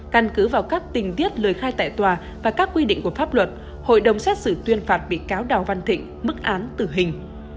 căn cứ vào các tình tiết lời khai tại tòa và các quy định của pháp luật hội đồng xét xử tuyên phạt bị cáo đào văn thịnh mức án tử hình